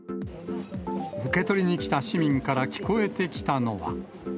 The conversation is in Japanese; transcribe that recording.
受け取りに来た市民から聞こえてきたのは。